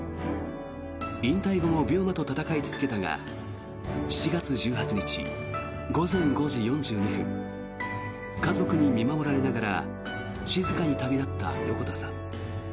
引退後も病魔と闘い続けたが７月１８日午前５時４２分家族に見守られながら静かに旅立った横田さん。